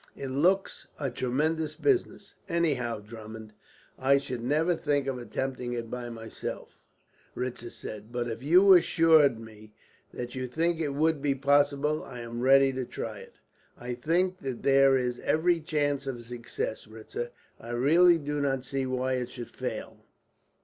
"It looks a tremendous business, anyhow, Drummond, and I should never think of attempting it by myself," Ritzer said; "but if you assure me that you think it will be possible, I am ready to try it." "I think that there is every chance of success, Ritzer. I really do not see why it should fail.